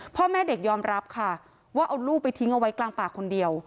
พ่อแม่เด็กยอมรับค่ะว่าเอาลูกไปทิ้งเอาไว้กลางป่าคนเดียว